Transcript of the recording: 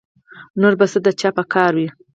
نور به څه د چا په کار وي